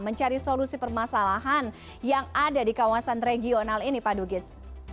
mencari solusi permasalahan yang ada di kawasan regional ini pak dugis